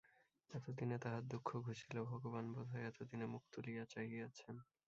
এতদিনে তাহার দুঃখ ঘুচিল, ভগবান বোধ হয় এতদিনে মুখ তুলিয়া চাহিয়াছেন।